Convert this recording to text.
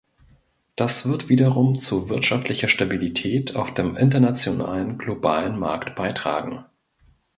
Das wird wiederum zu wirtschaftlicher Stabilität auf dem internationalen globalen Markt beitragen.